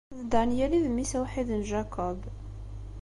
D Daniel i d mmi-s awḥid n Jacob.